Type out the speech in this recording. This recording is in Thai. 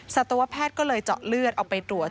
สัตวแพทย์ก็เลยเจาะเลือดเอาไปตรวจ